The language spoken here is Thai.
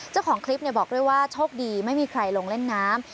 เจ้าของคลิปบอกด้วยว่าโชคดีไม่มีใครลงเล่นน้ำ